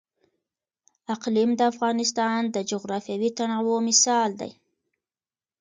اقلیم د افغانستان د جغرافیوي تنوع مثال دی.